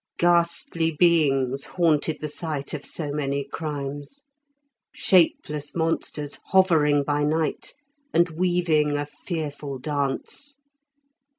Ghastly beings haunted the site of so many crimes, shapeless monsters, hovering by night, and weaving a fearful dance.